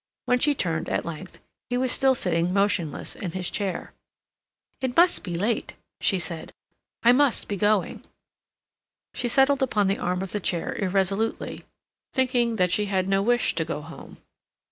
When she turned, at length, he was still sitting motionless in his chair. "It must be late," she said. "I must be going." She settled upon the arm of the chair irresolutely, thinking that she had no wish to go home.